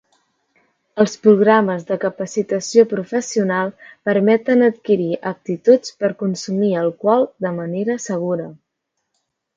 Els programes de capacitació professional permeten adquirir aptituds per consumir alcohol de manera segura.